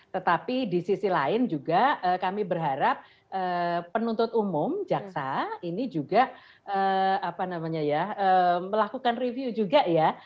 tetapi di sisi lain juga kami berharap penuntut umum jaksa ini juga melakukan review juga ya